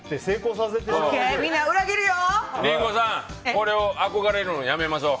これに憧れるのをやめましょう。